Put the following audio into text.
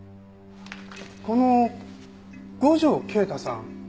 この五条慶太さん